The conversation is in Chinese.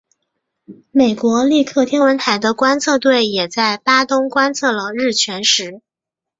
美国利克天文台的观测队也在巴东观测了日全食。